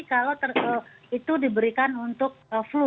kalau itu diberikan untuk flu